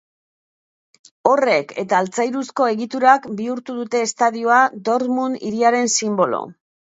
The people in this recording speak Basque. Horrek eta altzairuzko egiturak bihurtu dute estadioa Dortmund hiriaren sinbolo.